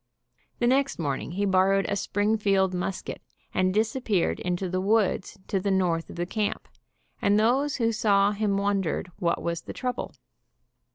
The next morning he borrowed a Springfield musket and disappeared in the woods to the north of camp, and those who saw him wondered what was the trouble.